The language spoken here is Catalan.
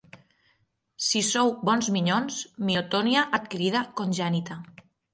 Si sou bons minyons...Miotonia adquirida, congènita.